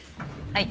はい。